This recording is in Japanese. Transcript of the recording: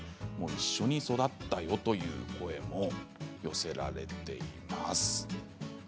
一緒に育ったという声も寄せられています。